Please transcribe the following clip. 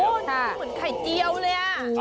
โอ้โฮเหมือนไข่เตี้ยวเลยอ่ะ